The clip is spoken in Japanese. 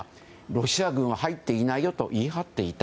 ロシア軍は入っていないよと言い張っていた。